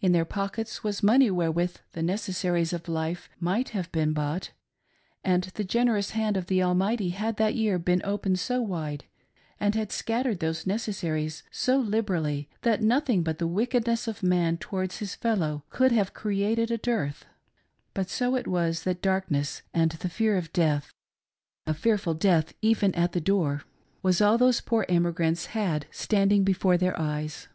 In their pockets was money wherewith the necessaries of life might have been bought, and the generous hand of the Almighty had that year been open so wide and had scattered those necessaries so lib r erally that nothing but the wickedness of man towards his fellow could have created a dearth. But so it was that dark ness and the fear of death — a fearful death even at the door — r was all those poor emigrants had standing before their eyes.